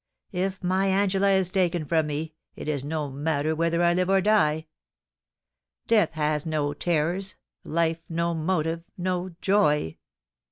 ... If my Angela is taken from me, it is no matter whether I live or die. Death has no terrors, life no motive, no joy.